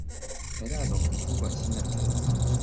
臺大總圖書館西南側